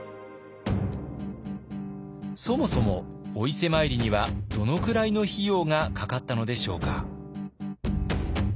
そもそもお伊勢参りにはどのくらいの費用がかかったのでしょうか。